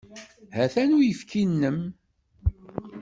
Ha-t-an uyefki-inem.